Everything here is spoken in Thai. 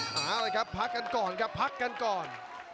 อะไรครับพักกันก่อนครับพักกันก่อน